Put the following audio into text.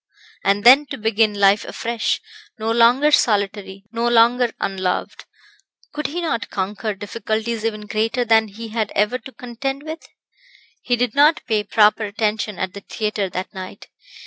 And then to begin life afresh; no longer solitary; no longer unloved; could he not conquer difficulties even greater than he had ever to contend with? He did not pay proper attention at the theatre that night.